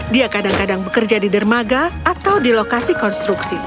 dia kadang kadang bekerja di dermaga atau di lokasi konstruksi